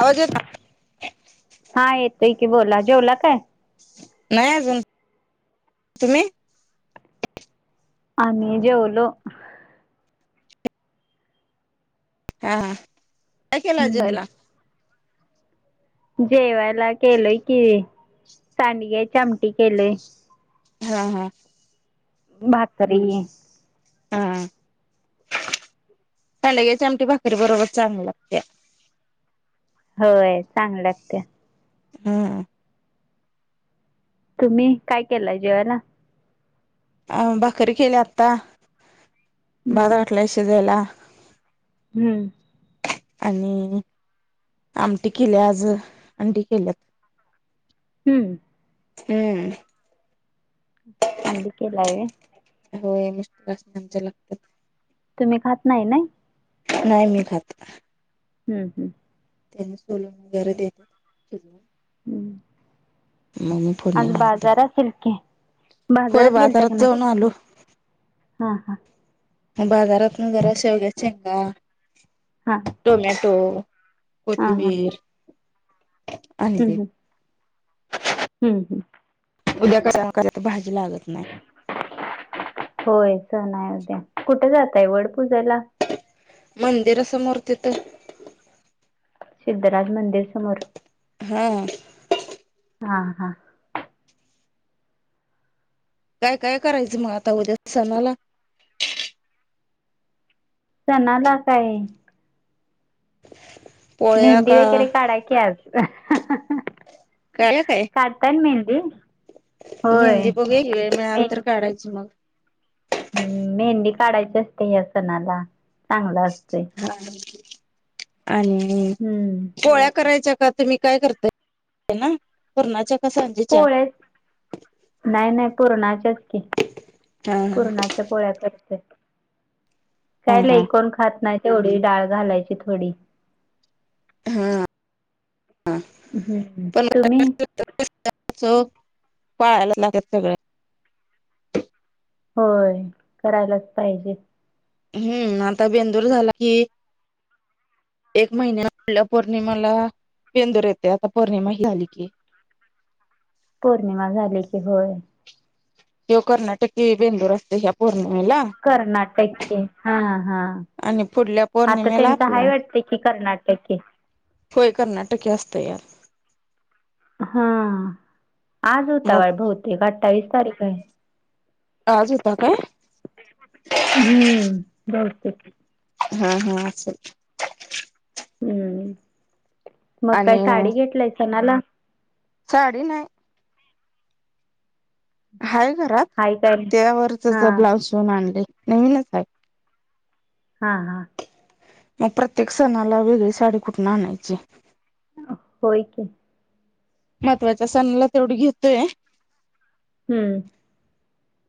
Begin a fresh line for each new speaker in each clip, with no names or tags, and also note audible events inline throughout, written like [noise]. आवाज य, [inaudible]
त की बोला जेवला काय?
नाही अजून तुम्ही,
आम्ही जेवलो.
हा हा काय केले जेवायला.
हम्म जेवायला केलय कि सांडग्या चमटी केलय.
हा हा,
भाकरी
हा, कांडगिरी चमट भाकरी बरोबर चांगल्या लागत्या
होय चांगलंत त्या
हम्,
तुम्ही काय केलंय जेवायला.
अ भाकरी केली आता बाद
हम्म
वाटलाय शिजायला.
हम्म.
आणि आमटी केले आज आंटी केल्यात
हम्म,
हम्म,
अंडि केल्या होय.
हो मुस्त असणे आमच्या लागतात
तुम्ही खात नाही ना
नाही मी खात.
हम्म हम्म,
त्यांना सोलून वगैरे देतात.
हम्म
मग मी फोडणी
आज
घालतोय
बाजार सिलक.
होय
बाजारात गेलता का नाही
जाऊन आलो
हा हा
बाजारातून जरा शेवग्याचंगा
हा हा
टोमॅटो
हा
कोतबीर आणिले
हम्म हम्म हम्म,
उद्या क क तर भाजी लागत नाही. [inaudible]
नाही उद्या कुठे जातय वड पूजाला
मंदिरासमोर तिथे
सिद्धराज मंदिर समोर
हा,
हा हा,
काय, काय, करायचं मग आता उद्या सणाला.
सणाला काय?
पोळ्या
मेहंदी
का
वगैरे काढा क
काळ्या काय
काढतान मेहंदी. होय
मेहंदी बघे ही वेळ मिळाल तर काढायची मग.
हम्म मेहंदी काढायची असते ह्या सणाला. चांगला असतोय
हा. आणि
हम्म
पोळ्या करायच्या का तुम्ही काय करता ना पुरणाच्या पाज चार [unintelligible]
नाही, नाही, नाही पुरणाच्याचकी
हा हा
पुरणाच्या पोळ्या करते. काय
हा हा
नाही कोण खात नाही तेवढी डाळ घालायची थोडी.
हा
हम्म
पण
तुम्ही
पाळायलाच लागात सगळं.
होय करायलाच पाहिजे.
हम्म आता बेंदूर झाला कि एक महिन्या म्हटल्या पौर्णिमाला. बेंदुर येते आता पौर्णिमा हि आली की.
पौर्णिमा झाली की होय.
कर्नाटक बेंदूर असते ह
कर्नाटक के हा हा.
आणि पुढल्या
आता
पौर्णिमेला
त्यांच
आपला
हाय वाटत की कर्नाटके.
होय कर्नाटके असतं यार
हा आज होता
मग
वाळ बहुतेक अठ्ठावीस तारीख आहे.
आज होता काय?
हम्म बहुतेक.
हम्म हम्म आज
हम्म मग
आणि
काही साडी घेतलाय सणाला.
साडी नाही. हाय घरात
हाय काय
त्यावरच
हा
ब्लाउज शिवून आणले नवीनच आहे.
हा हा.
मग प्रत्येक सणाला वेगळी साडी कुठून आणायची.
होय की.
महत्त्वाच्या सणला तेवढी घेतोय.
हम्म.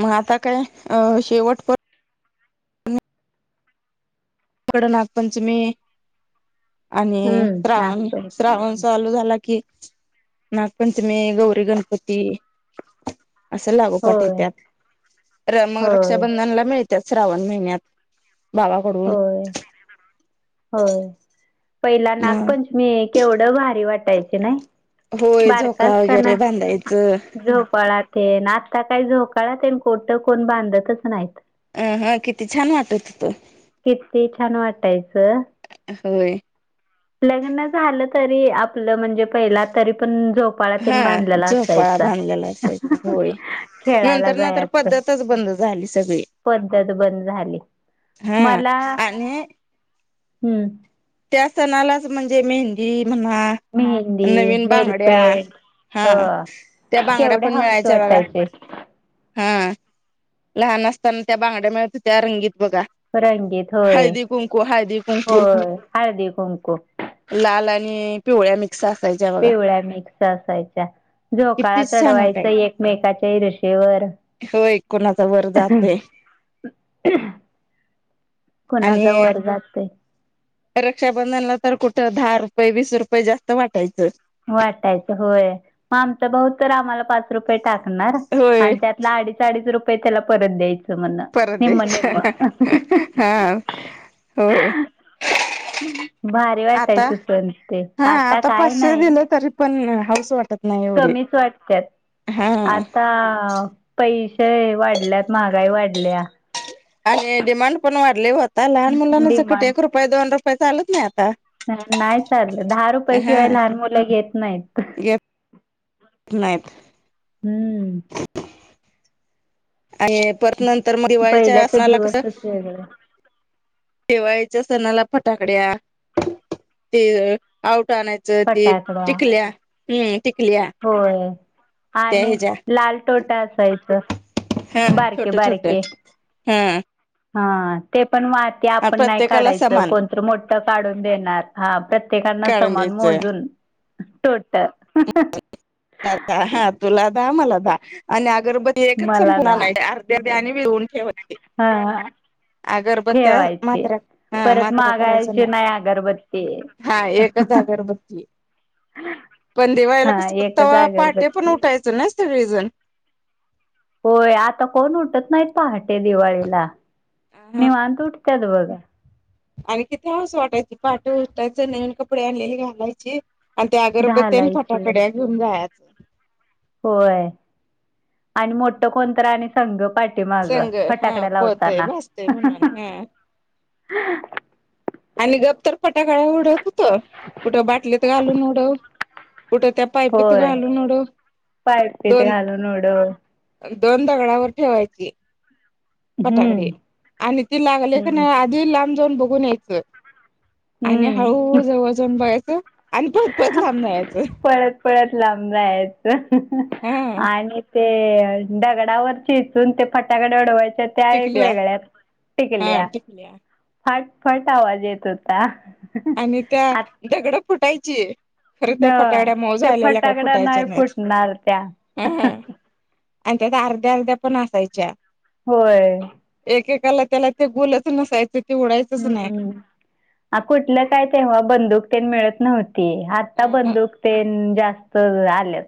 मग आता काय अ शेवट प पुढ नागपंचमी. आणि
हम्म
श्रावण श्रावण
नागपंचमी
चालू झाला की. नागपंचमी, गौरी गणपती, असं लागोपाठ येत
होय
त्या मग
होय
रक्षाबंधनला मिळते. त्या श्रावण महिन्यात भावाकडून
होय पहिला
मग
नागपंचमी केवढ भारी वाट नाही
होय
बारका
झोका वगैरे
असताना
बांधायचं
झोपाळ. ते ना आता काय झोकाळात कोटं कोण बांधतच नाहीत.
अं हा किती छान वाटत तो.
किती छान वाटायचं.
होय.
लग्न झालं तरी आपल म्हणजे पहिला तरी पण. झोपाळा
हा
तेन बांधलेला
झोपाळा
असायचा.
बांधलेला असायचा होळी.
खेळायला
नंतर नंतर
जायचं
पद्धतच बंद झाली सगळी.
पद्धत बंद झाली.
हा
मला
आणि
हम्म.
त्या सणालाच म्हणजे मेहंदी म्हणा
मेहंदी,
नवीन बांगड्या
नेलपेंट
हा
हो
त्या बांगड्या
केवढे
पण
हौस
मिळायच्या बघा.
वाटायचे
हा, लहान असताना त्या बांगड्या मिळत त्या रंगीत बघा
रंगीत होय
हळदी कुंकू हळदी कुंकू
होय हळदी, कुंकू
लाल आणि पिवळ्या मि
पिवळ्या मिक्स असायच्या, झोकाळा
किती छान
चढवायचा एकमेकाच्या इरशेवर,
हो एक कोणाचा वर जातय.
कोणाचा
आणि
वर जातय.
रक्षाबंधनला तर कुठं दहा रुपये, वीस रुपये जास्त वाटायचं.
वाटायचं होय मग आमचा भाऊ तर आम्हाला पाच रुपये टाक टाकणार
होय
आणि त्यातला अडीच अडीच रुपये त्याला परत द्यायचे. तमना
परत
निम निम
द्यायचं हा होय.
भारी
आता
वाटायचं सण ते
हा
आता काय
पाचशे
नाही.
दिलं तरी पण हाऊस वाटत नाही एवढी.
कमीच वाटत्यात.
हा
आता पैसे वाढल्यात, महागाई वाढल्या
आणि डिमांड पण वाढली होता लहान मुलांनाच कठ
डिमांड
एक रुपये दोन रुपये चालत नाही. आता.
नाही चाललं दहा रुपयया
हा
शिवाय लहान मुलं घेत नाहीत.
घेत नाहीत.
हम्म
आणि परत नंतर मग दिवाळीच्या
पहिल्याच
सनाला कस
दिवसच वेगळं
दिवाळीच्या सणाला फटाकड्या ते आउ आणायचं ती
फटाकडा
टिकल्या हम्म! टिकल्या
होय
त्या
आणि
ह्याच्या
लाल टोटा असायचं.
हा
बारके
छोटे छोटे
बारके
हा.
हा ते पण माती आपण नाही
प्रत्येकाला
काढायचं,
समान
कोण तर मोठ काढून देणार हा प्रत्य प्रत्येकांना
काढून
समान
द्यायचं
मोजून.
हा तुला दहा मला दहा आणि गरब एकच
मला
संप
ना
अर्ध्याध्या आणिळून
हा
अगरबत्याअ
ठेवायचे
मात्र्या
परत मागायचे नाही अगरबत्ते.
हा एकच अगरबत्ती
[unintelligible]
पण देवायला कस ते पहाटे पण उठायचं नाही सगळेजण.
होय आता कोण उठत नाहीत पहा ते दिवाळीला
हा
निवांत उठतात बघा.
आणि किथे हऊस वाटायची पाटे उठटायचे नवीन कपडे आलेले घालायचे, आणि त्या अगरबर तेन
घालायची
फटाकड्या घेऊन जायचं.
होय आणि मोठ कोणत आणि संघ पाठी माग
संग हा
फटाकड्या
पळतय
लावताना.
भासतय म्हणून हा आणि गप तर फटाकळा उडत होत कुठं बाटलीत घालून उडव, कुठे त्या पायपीत
होय
घालून उडव,
पायपीट
दोन
घालून उडव
दोन दगडावर ठेवायची. पटाकडे
हम्म
आणि ते लागले का
हम्म.
नाही आधी लांब जाऊन बघून यायचं, आणि
हम्म
हळूहळू जवळ जाऊन बघयचं आणि परत पळत लांब जायचं,
पळत पळत लांबयच
हा
आणि ते दगडावर चिचून ते फट्याकडे अडवाय अ त्या एक
टिकल्या
वेगळ्या
हा
टिकल्या.
टिकल्या
फाट फट आवाज येत होता.
आणि त्या
आ
दगड फुटायची. खर त्या फटाकड्या मऊ
ते
झालेल्या, काही
फटाकड्या
फुटायच्या
नाही
नाहीत
फुटणार त्या
ह ह आणि त्यात अर्ध्या, अर्ध्या पण असायच्या
होय!
एकेकाला त्याला ते गोलच नसायचं, ते उडायचंच नाही.
त काय तेव्हा बंदूकतेन मिळत नव्हती, आता
नाही
बंदूकतेन जास्त त आले.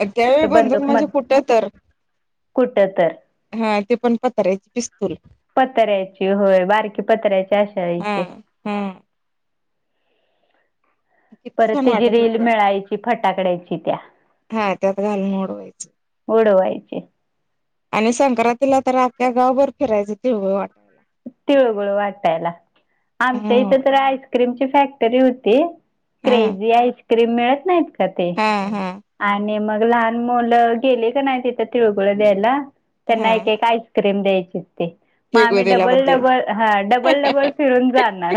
अ त्यावेळी बंदूक माझ्या कुठ तर,
कुठं तर
हा ते प [unintelligible]
पत्र्याची होय, बारकी पत्र्याचे आशा
हा
याचे
हा किती
परत
छान
त्याची
वाटत
रील
होत
मिळायची, फटाकड्याची त्या
हा त्यात घालून उडवायचं.
के [unintelligible]
आणि संक्रांतीला तर, आख्या गावभर फिरायचं तिळगुळ वाटत.
तिळगुळू वाटायला, आमच्या
हा
इथं तर आईस्क्रीमची फॅक्टरी होती.
हा
क्रेझी आईसक्रीम मिळत नाहीत. का ते
हा, हम
आणि मग लहान मुलं गेले का नाही तिथं तिळगुळ द्यायला,
हा
त्यांना एक, एक, आईसक्रीम ेम द्यायचे ते [unintelligible] मग
तिळगुळ
आम्ही डबल,
दिल्याबद्दल
डबल, हा डबल, डबल, फिरून जाणार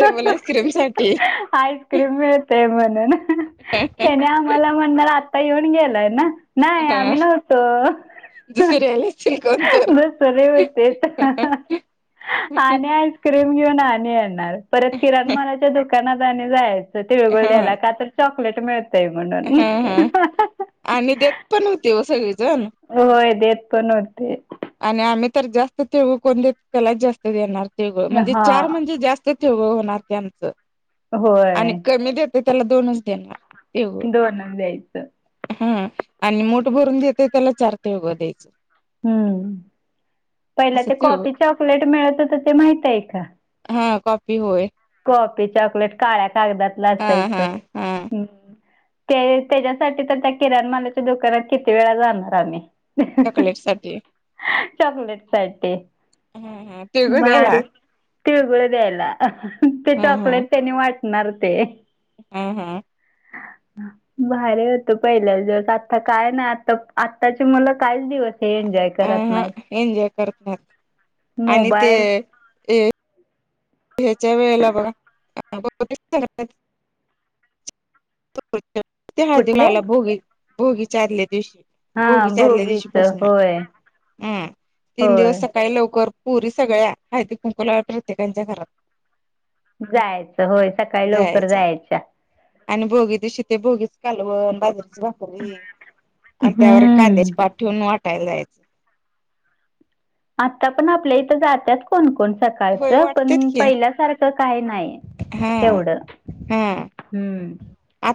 डबल आईस्क्रीम साठी
आईस्क्रीम मिळते म्हणून त्याने आम्हाला आता येऊन गेलाय नाय, नाही
हा
आम्ही नव्हतो.
दुसरी आली असतील कोण तर
बस अरेव तेच [unintelligible] आणि आईस्क्रीम घेऊन आणि येणार, परत किराणा मलाच्या दुका दुकानात आणि जायच तिळगुळ
हा
द्यायला, का तर चॉकलेट मिळतय.
हा, हा आणि देत पण होती व सगळी
होय, देत पण होते.
आणि आम्ही तर जास्त तिळगुळ कोण देत, त्याला जास्त देणार, तिळगुळ म्हणजे
हा
चार म्हणजे जास्त होणार त्यांचं, आणि
होय
कमी देते त्याला दोनच देणार तिळगुळ
दोनच द्यायचं
हा आणि मुठ भरून देत, त्याला चार तिळगुळ द्यायचं.
हम्म, पहिला
असं
ते
तिळगुळ
कॉपी चॉकलेट मिळत होत ते माहित आहे का?
हा, कॉपी होय
कॉफी चॉकलेट, काळ्या कागदातला
हा
असायचं.
हा हा
ते त्याच्यासाठी, तर त्या किराणमालाच्या दुकानात किती वेळा जाणार आम्ही.
चॉकलेट साठी
चॉलेट आहेत ते
हम्, ह तिळगुळ द्यायला!
तिळगुळ द्यायला, ते चॉकलेट त्यानी वाटणार ते.
हम, हम
भारी होत पहिल्याच दिवस, आता काय नाही आता आत्ताची मुलं कायच दिवस एनजॉय
अ
करत
हा
नाही.
एन्जॉय करत नाहीत आणि ते अ ह्याच्या वेळेला बघा
कुठले
हला भोगी भोगी आदल्या दिवशी [unintelligible]
हा
भोगीच्या आदल्या दिवशी
भोगीच
पासून,
होय
अम् तीन
होय
दिवस सकाळी लवकर पोरी सगळ्या, हळदी, कुंकू लावायला प्रत्येकांच्या घरात
जायचं होय, सकाळी लवकर
जायचा
जायच्या
आणि भोगी दिवशी तेे भोगी कालवण, बाजरीची भाकरी, आणि त्यावर
हम्म
कांद्याची पात ठेऊन वाट वाटायला जायचं.
आता पण आपल्या इथं जातातच कोणकोण
होय
सकाळचं
वाटत्यात
पण
की
पहिल्यासारखं काय नाही
हा
तेवढं
हा
हम्म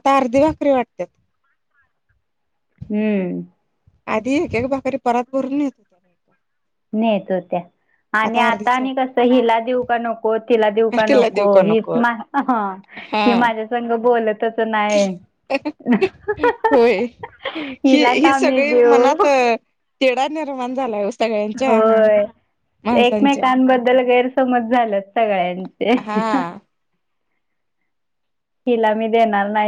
अर्धी भाकरी वाटतात
हम्म
आधी एक एक भाकरी परत भरून येतो त्या बाका
नाही येत हो त्या आणि आता आणि
वाटत्यात
कसं हिला देऊ का नको तिला देऊ का
तिला
नको
देऊ का
हि
नको हा
हि माझ्या संघ बोलतच नाही
हि
हिला
ही
का मी
सगळी
देऊ
मनात तेडा निर्माण झालाय सगळ्यांच्या
होय
माणसांच्या
एकमेकांबद्दल गैरसमज झालं सगळ्यांचे
हा
तिला मी देणार नाही